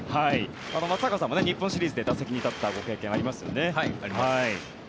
松坂さんも日本シリーズで打席に立ったご経験があります。